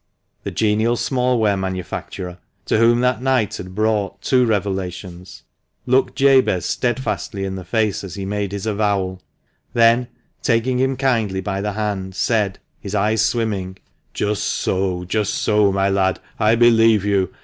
The genial smallware manufacturer, to whom that night had brought two revelations, looked Jabez steadfastly in the face as he made his avowal ; then, taking him kindly by the hand, said — his eyes swimming " Just so, just so, my lad ! I believe you.